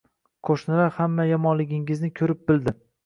Qoʻshnilar hamma yomonligingizni koʻrib-bildi.